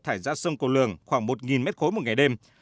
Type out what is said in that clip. thải ra sông cầu lường khoảng một m ba một ngày đêm